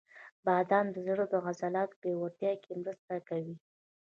• بادام د زړه د عضلاتو پیاوړتیا کې مرسته کوي.